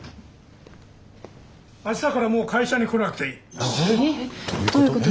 あしたからもう会社に来なくていい。